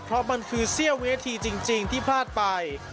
เพราะมันคือเสี้ยวเวทีจริงที่พลาดไป